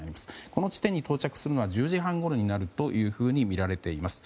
この地点に到着するのは１０時半ごろになるとみられています。